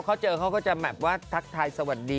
ไปก็จะทักทายสวัสดี